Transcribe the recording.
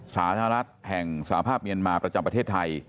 สาธารณรัฐแห่งสหภาพเมียนมาประจำประเทศไทย